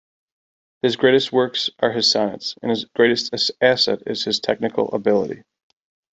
His greatest works are his sonnets, and his greatest asset his technical ability.